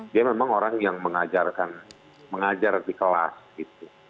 dia memang orang yang mengajarkan mengajar di kelas gitu